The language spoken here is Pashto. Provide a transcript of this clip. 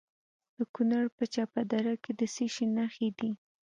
د کونړ په چپه دره کې د څه شي نښې دي؟